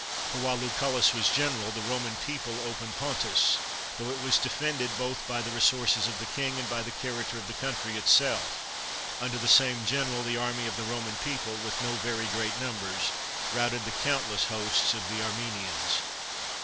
For, while Lucullus was general, the Roman people opened Pontus, tho it was defended both by the resources of the king and by the character of the country itself. Under the same general the army of the Roman people, with no very great numbers, routed the countless hosts of the Armenians.